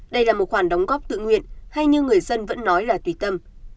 đây là một khoản đóng góp tự nguyện hay như người dân vẫn nói là tùy tâm